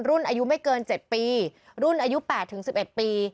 รุ่นอายุไม่เกิน๗ปีรุ่นอายุ๘๑๑ปี